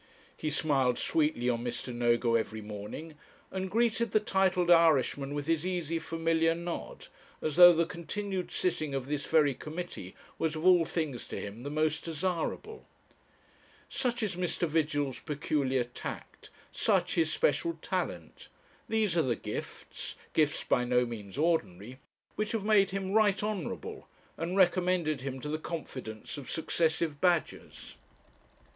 He smiled sweetly on Mr. Nogo every morning, and greeted the titled Irishman with his easy familiar nod, as though the continued sitting of this very committee was of all things to him the most desirable. Such is Mr. Vigil's peculiar tact, such his special talent; these are the gifts gifts by no means ordinary which have made him Right Honourable, and recommended him to the confidence of successive badgers.